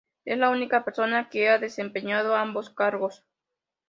Es la única persona que ha desempeñado ambos cargos.